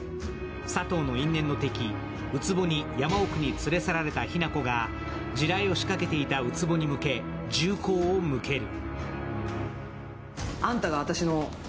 佐藤の因縁の敵、宇津帆に山に連れ去られたヒナコが地雷を仕掛けていた宇津帆に向け銃口を向ける。